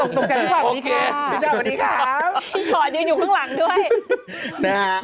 ตรงจากนี้ค่ะพี่สวัสดีค่ะพี่สวัสดีค่ะพี่ชอดเดินอยู่ข้างหลังด้วยนะครับ